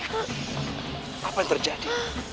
apa yang terjadi